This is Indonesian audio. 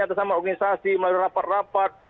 atas sama organisasi melalui rapat rapat